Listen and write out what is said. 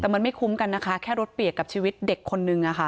แต่มันไม่คุ้มกันนะคะแค่รถเปียกกับชีวิตเด็กคนนึง